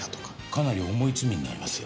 かなり重い罪になりますよ。